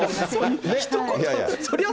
ひと言。